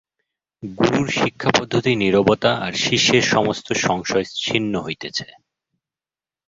গুরুর শিক্ষাপদ্ধতি নীরবতা আর শিষ্যের সমস্ত সংশয় ছিন্ন হইতেছে।